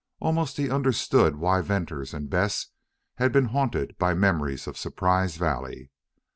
Almost he understood why Venters and Bess had been haunted by memories of Surprise Valley.